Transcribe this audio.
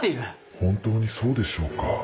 本当にそうでしょうか？